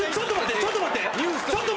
ちょっと待って！